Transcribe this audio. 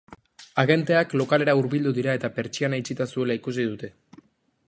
Agenteak lokalera hurbildu dira eta pertsiana itxita zuela ikusi dute.